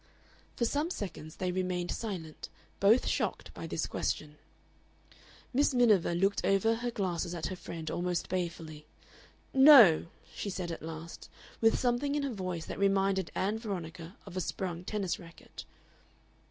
For some seconds they remained silent, both shocked by this question. Miss Miniver looked over her glasses at her friend almost balefully. "NO!" she said, at last, with something in her voice that reminded Ann Veronica of a sprung tennis racket.